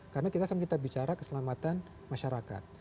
karena kita sama kita bicara keselamatan masyarakat